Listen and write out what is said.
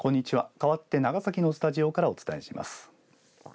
かわって長崎のスタジオからお伝えします。